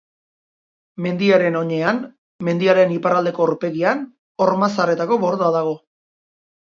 Mendiaren oinean, mendiaren iparraldeko aurpegian, Ormazarretako borda dago.